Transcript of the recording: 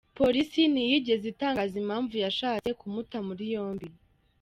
Polisi ntiyigeze itangaza impamvu yashatse kumuta muri yombi.